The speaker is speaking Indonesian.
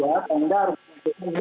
yang di sini